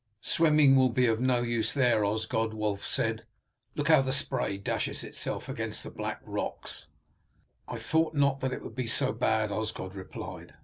"Swimming will be of no use there, Osgod," Wulf said. "Look how the spray dashes itself against the black rocks." "I thought not that it would be so bad," Osgod replied.